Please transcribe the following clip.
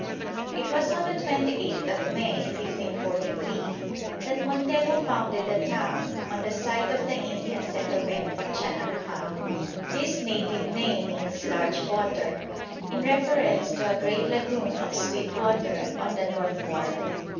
It was on the 28th of May, 1543, that Montejo founded the town on the sight of the Indian settlement of Chanac há. This native name means "large water," in reference to a great lagoon of sweet water on the northward.